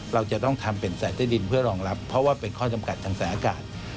เราจะต้องทำเป็นสายใต้ดินเพื่อรองรับเพราะว่าเป็นข้อจำกัดทางสายอากาศ